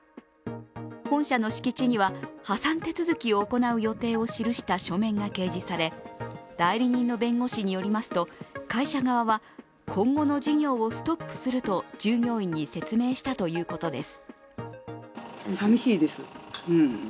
本社の敷地には破産手続を行う予定を記した書面が掲示され、代理人の弁護士によりますと会社側は今後の事業をストップすると従業員に説明したということです。